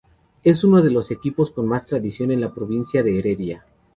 Es uno de los equipos con más tradición en la provincia de Heredia.